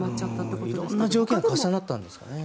いろんな条件が重なったんですかね。